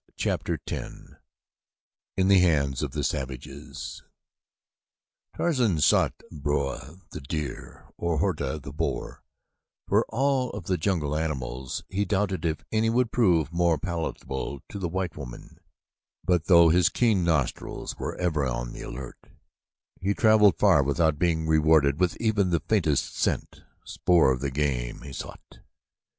Chapter X In the Hands of Savages Tarzan sought Bara, the deer, or Horta, the boar, for of all the jungle animals he doubted if any would prove more palatable to the white woman, but though his keen nostrils were ever on the alert, he traveled far without being rewarded with even the faintest scent spoor of the game he sought.